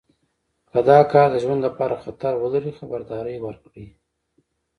که دا کار د ژوند لپاره خطر ولري خبرداری ورکړئ.